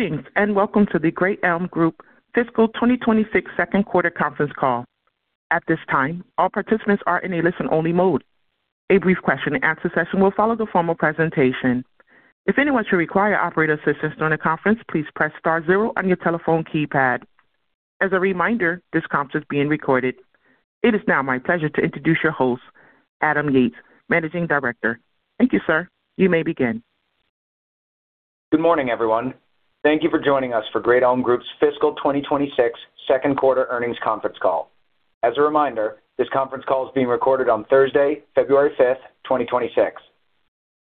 Greetings and welcome to the Great Elm Group fiscal 2026 second quarter conference call. At this time, all participants are in a listen-only mode. A brief question-and-answer session will follow the formal presentation. If anyone should require operator assistance during the conference, please press star 0 on your telephone keypad. As a reminder, this conference is being recorded. It is now my pleasure to introduce your host, Adam Yates, Managing Director. Thank you, sir. You may begin. Good morning, everyone. Thank you for joining us for Great Elm Group's fiscal 2026 second quarter earnings conference call. As a reminder, this conference call is being recorded on Thursday, February 5, 2026.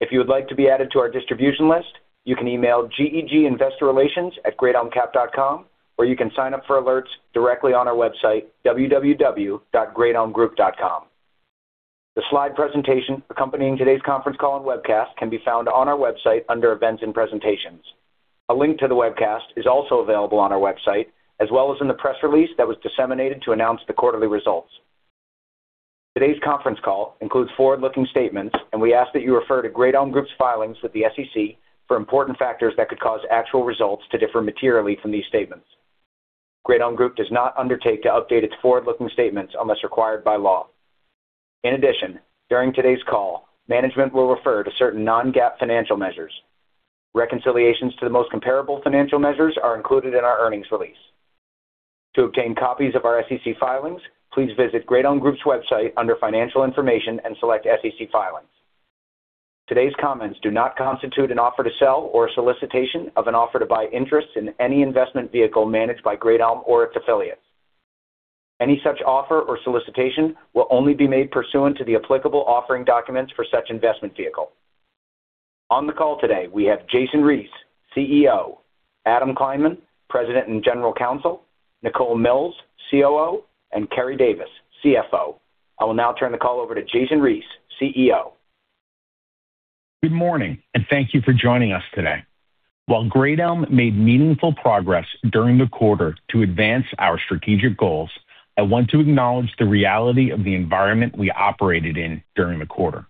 If you would like to be added to our distribution list, you can email GEG Investor Relations at greatelmcap.com, or you can sign up for alerts directly on our website www.greatelmgroup.com. The slide presentation accompanying today's conference call and webcast can be found on our website under Events and Presentations. A link to the webcast is also available on our website, as well as in the press release that was disseminated to announce the quarterly results. Today's conference call includes forward-looking statements, and we ask that you refer to Great Elm Group's filings with the SEC for important factors that could cause actual results to differ materially from these statements. Great Elm Group does not undertake to update its forward-looking statements unless required by law. In addition, during today's call, management will refer to certain non-GAAP financial measures. Reconciliations to the most comparable financial measures are included in our earnings release. To obtain copies of our SEC filings, please visit Great Elm Group's website under Financial Information and select SEC Filings. Today's comments do not constitute an offer to sell or a solicitation of an offer to buy interests in any investment vehicle managed by Great Elm or its affiliates. Any such offer or solicitation will only be made pursuant to the applicable offering documents for such investment vehicle. On the call today, we have Jason Reese, CEO; Adam Kleinman, President and General Counsel; Nichole Milz, COO; and Keri Davis, CFO. I will now turn the call over to Jason Reese, CEO. Good morning, and thank you for joining us today. While Great Elm made meaningful progress during the quarter to advance our strategic goals, I want to acknowledge the reality of the environment we operated in during the quarter.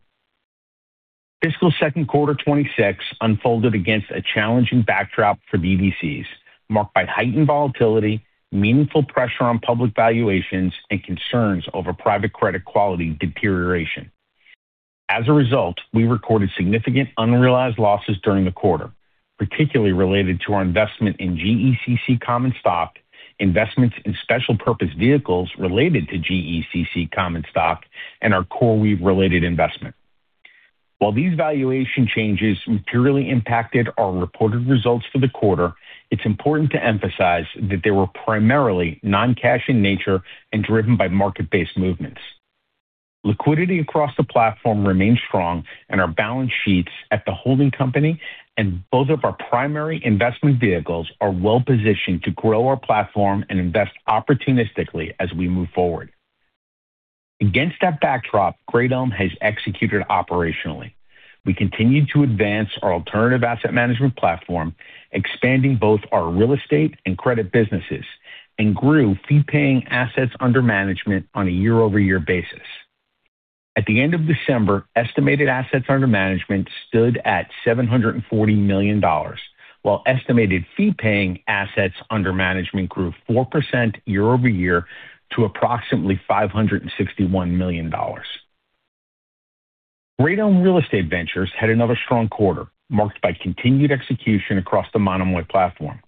Fiscal second quarter 2026 unfolded against a challenging backdrop for BDCs, marked by heightened volatility, meaningful pressure on public valuations, and concerns over private credit quality deterioration. As a result, we recorded significant unrealized losses during the quarter, particularly related to our investment in GECC Common Stock, investments in special-purpose vehicles related to GECC Common Stock, and our CoreWeave-related investment. While these valuation changes materially impacted our reported results for the quarter, it's important to emphasize that they were primarily non-cash in nature and driven by market-based movements. Liquidity across the platform remained strong, and our balance sheets at the holding company and both of our primary investment vehicles are well-positioned to grow our platform and invest opportunistically as we move forward. Against that backdrop, Great Elm has executed operationally. We continued to advance our alternative asset management platform, expanding both our real estate and credit businesses, and grew fee-paying assets under management on a year-over-year basis. At the end of December, estimated assets under management stood at $740 million, while estimated fee-paying assets under management grew 4% year-over-year to approximately $561 million. Great Elm Real Estate Ventures had another strong quarter, marked by continued execution across the Monomoy platform.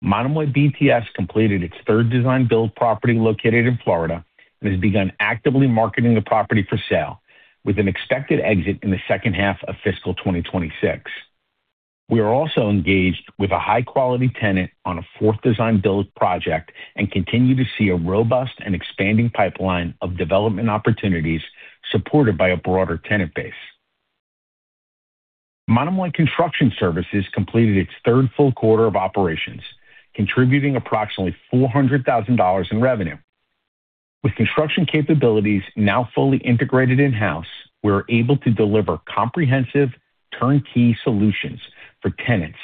Monomoy BTS completed its third design-build property located in Florida and has begun actively marketing the property for sale, with an expected exit in the second half of Fiscal 2026. We are also engaged with a high-quality tenant on a fourth design-build project and continue to see a robust and expanding pipeline of development opportunities supported by a broader tenant base. Monomoy Construction Services completed its third full quarter of operations, contributing approximately $400,000 in revenue. With construction capabilities now fully integrated in-house, we are able to deliver comprehensive turnkey solutions for tenants,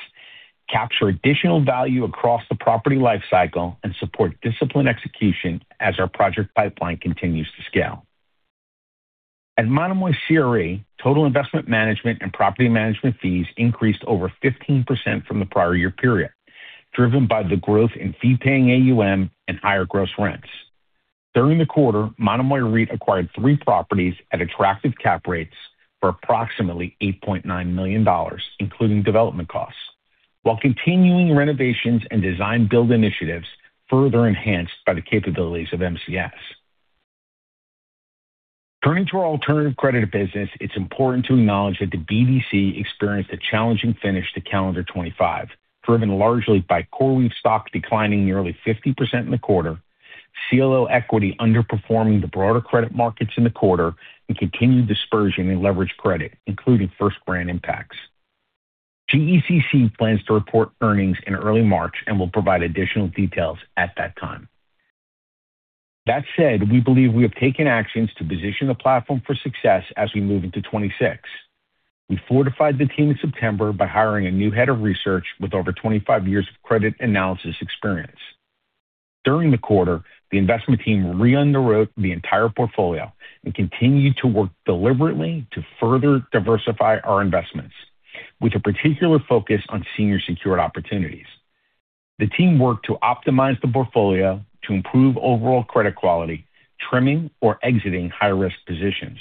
capture additional value across the property lifecycle, and support disciplined execution as our project pipeline continues to scale. At Monomoy CRE, total investment management and property management fees increased over 15% from the prior year period, driven by the growth in fee-paying AUM and higher gross rents. During the quarter, Monomoy REIT acquired three properties at attractive cap rates for approximately $8.9 million, including development costs, while continuing renovations and design-build initiatives further enhanced by the capabilities of MCS. Turning to our alternative credit business, it's important to acknowledge that the BDC experienced a challenging finish to Calendar 2025, driven largely by CoreWeave stock declining nearly 50% in the quarter, CLO equity underperforming the broader credit markets in the quarter, and continued dispersion in leveraged credit, including first-lien impacts. GECC plans to report earnings in early March and will provide additional details at that time. That said, we believe we have taken actions to position the platform for success as we move into 2026. We fortified the team in September by hiring a new head of research with over 25 years of credit analysis experience. During the quarter, the investment team re-enrolled the entire portfolio and continued to work deliberately to further diversify our investments, with a particular focus on senior secured opportunities. The team worked to optimize the portfolio to improve overall credit quality, trimming or exiting high-risk positions.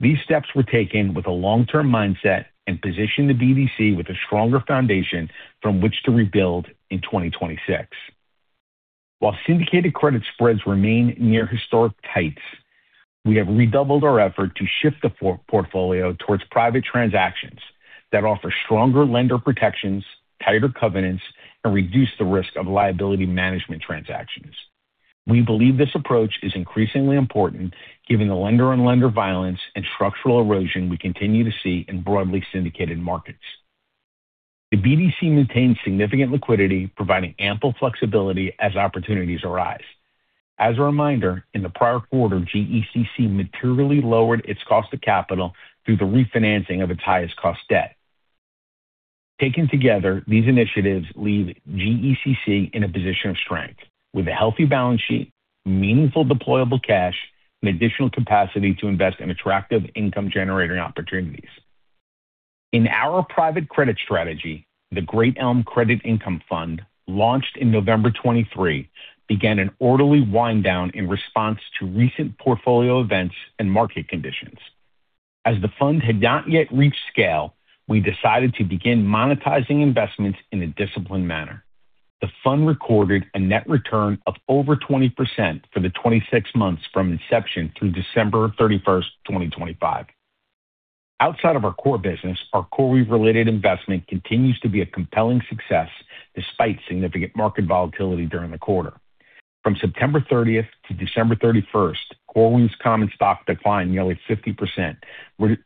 These steps were taken with a long-term mindset and positioned the BDC with a stronger foundation from which to rebuild in 2026. While syndicated credit spreads remain near historic heights, we have redoubled our effort to shift the portfolio towards private transactions that offer stronger lender protections, tighter covenants, and reduce the risk of liability management transactions. We believe this approach is increasingly important given the lender-on-lender violence and structural erosion we continue to see in broadly syndicated markets. The BDC maintains significant liquidity, providing ample flexibility as opportunities arise. As a reminder, in the prior quarter, GECC materially lowered its cost of capital through the refinancing of its highest-cost debt. Taken together, these initiatives leave GECC in a position of strength, with a healthy balance sheet, meaningful deployable cash, and additional capacity to invest in attractive income-generating opportunities. In our private credit strategy, the Great Elm Credit Income Fund, launched in November 2023, began an orderly winddown in response to recent portfolio events and market conditions. As the fund had not yet reached scale, we decided to begin monetizing investments in a disciplined manner. The fund recorded a net return of over 20% for the 26 months from inception through December 31, 2025. Outside of our core business, our CoreWeave-related investment continues to be a compelling success despite significant market volatility during the quarter. From September 30 to December 31, CoreWeave's Common Stock declined nearly 50%,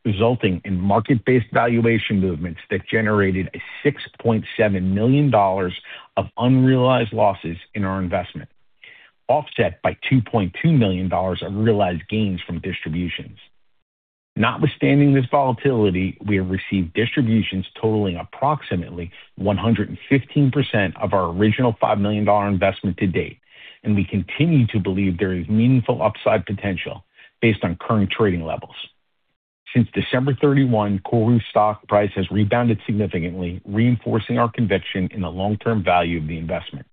resulting in market-based valuation movements that generated $6.7 million of unrealized losses in our investment, offset by $2.2 million of realized gains from distributions. Notwithstanding this volatility, we have received distributions totaling approximately 115% of our original $5 million investment to date, and we continue to believe there is meaningful upside potential based on current trading levels. Since December 31, CoreWeave's stock price has rebounded significantly, reinforcing our conviction in the long-term value of the investment.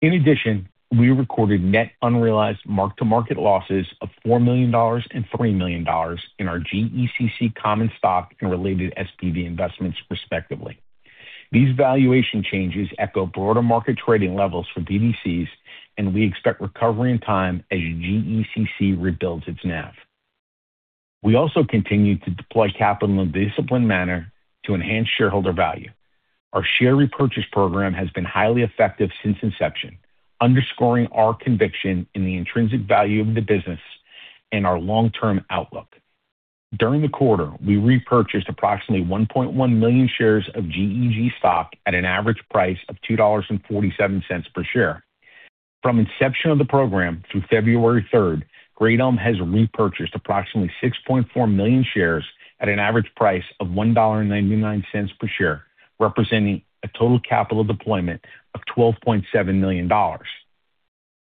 In addition, we recorded net unrealized mark-to-market losses of $4 million and $3 million in our GECC Common Stock and related SPV investments, respectively. These valuation changes echo broader market trading levels for BDCs, and we expect recovery in time as GECC rebuilds its NAV. We also continue to deploy capital in a disciplined manner to enhance shareholder value. Our share repurchase program has been highly effective since inception, underscoring our conviction in the intrinsic value of the business and our long-term outlook. During the quarter, we repurchased approximately 1.1 million shares of GEG stock at an average price of $2.47 per share. From inception of the program through February 3, Great Elm has repurchased approximately 6.4 million shares at an average price of $1.99 per share, representing a total capital deployment of $12.7 million.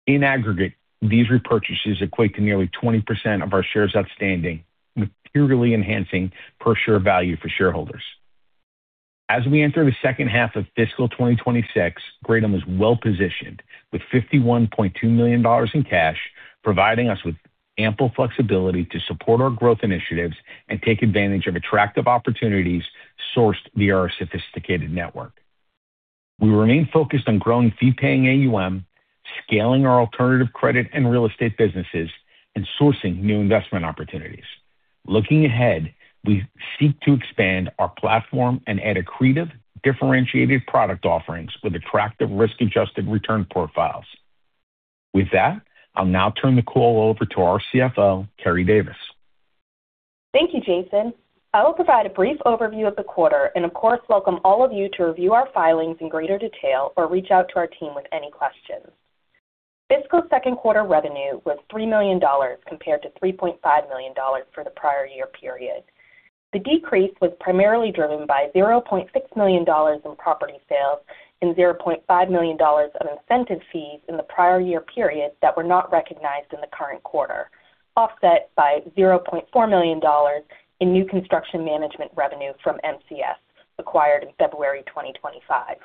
In aggregate, these repurchases equate to nearly 20% of our shares outstanding, materially enhancing per-share value for shareholders. As we enter the second half of Fiscal 2026, Great Elm is well-positioned with $51.2 million in cash, providing us with ample flexibility to support our growth initiatives and take advantage of attractive opportunities sourced via our sophisticated network. We remain focused on growing fee-paying AUM, scaling our alternative credit and real estate businesses, and sourcing new investment opportunities. Looking ahead, we seek to expand our platform and add accretive, differentiated product offerings with attractive risk-adjusted return profiles. With that, I'll now turn the call over to our CFO, Keri Davis. Thank you, Jason. I will provide a brief overview of the quarter and, of course, welcome all of you to review our filings in greater detail or reach out to our team with any questions. Fiscal second quarter revenue was $3 million compared to $3.5 million for the prior year period. The decrease was primarily driven by $0.6 million in property sales and $0.5 million of incentive fees in the prior year period that were not recognized in the current quarter, offset by $0.4 million in new construction management revenue from MCS acquired in February 2025.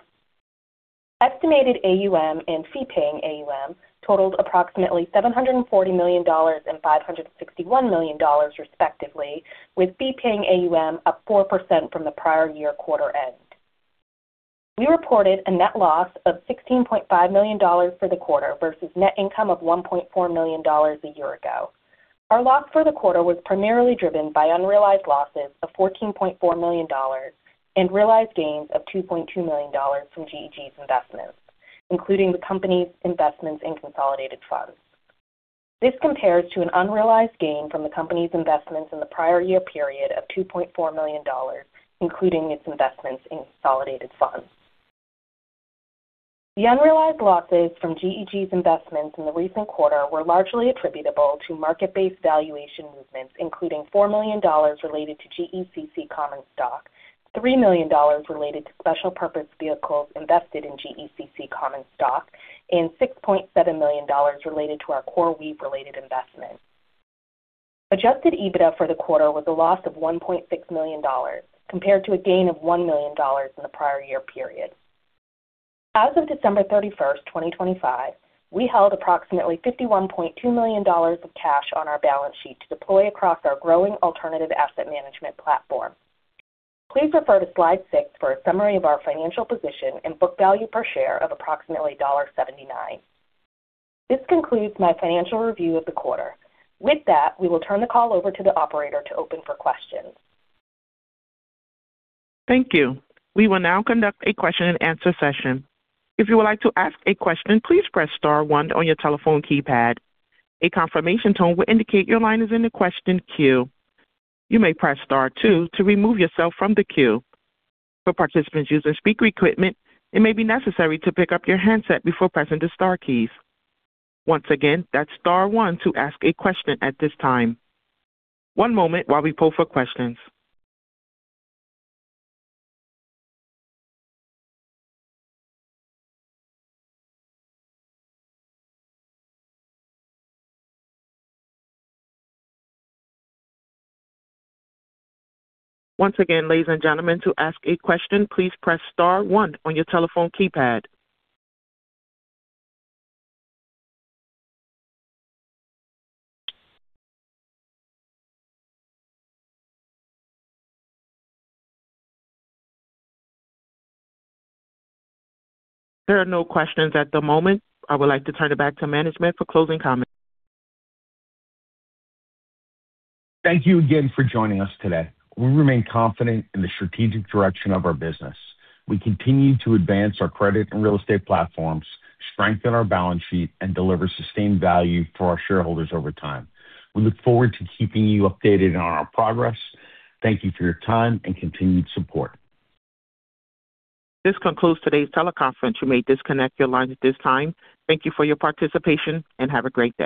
Estimated AUM and fee-paying AUM totaled approximately $740 million and $561 million, respectively, with fee-paying AUM up 4% from the prior year quarter end. We reported a net loss of $16.5 million for the quarter versus net income of $1.4 million a year ago. Our loss for the quarter was primarily driven by unrealized losses of $14.4 million and realized gains of $2.2 million from GEG's investments, including the company's investments in consolidated funds. This compares to an unrealized gain from the company's investments in the prior year period of $2.4 million, including its investments in consolidated funds. The unrealized losses from GEG's investments in the recent quarter were largely attributable to market-based valuation movements, including $4 million related to GECC Common Stock, $3 million related to special-purpose vehicles invested in GECC Common Stock, and $6.7 million related to our CoreWeave-related investment. Adjusted EBITDA for the quarter was a loss of $1.6 million compared to a gain of $1 million in the prior year period. As of December 31, 2025, we held approximately $51.2 million of cash on our balance sheet to deploy across our growing alternative asset management platform. Please refer to slide 6 for a summary of our financial position and book value per share of approximately $1.79. This concludes my financial review of the quarter. With that, we will turn the call over to the operator to open for questions. Thank you. We will now conduct a question-and-answer session. If you would like to ask a question, please press star one on your telephone keypad. A confirmation tone will indicate your line is in the question queue. You may press star two to remove yourself from the queue. For participants using speaker equipment, it may be necessary to pick up your handset before pressing the star keys. Once again, that's star one to ask a question at this time. One moment while we pull for questions. Once again, ladies and gentlemen, to ask a question, please press star 1 on your telephone keypad. There are no questions at the moment. I would like to turn it back to management for closing comments. Thank you again for joining us today. We remain confident in the strategic direction of our business. We continue to advance our credit and real estate platforms, strengthen our balance sheet, and deliver sustained value for our shareholders over time. We look forward to keeping you updated on our progress. Thank you for your time and continued support. This concludes today's teleconference. You may disconnect your lines at this time. Thank you for your participation, and have a great day.